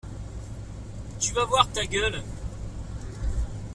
Tu vas voir ta gueule.